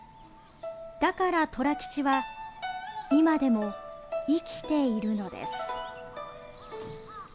だから、寅吉は今でも生きているのです。